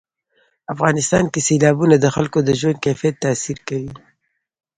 افغانستان کې سیلابونه د خلکو د ژوند کیفیت تاثیر کوي.